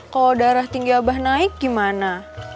kalau darah tinggi abah naik gimana